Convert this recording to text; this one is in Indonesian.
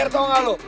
tau gak lu